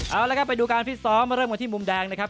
เอาละครับไปดูการฟิตซ้อมมาเริ่มกันที่มุมแดงนะครับ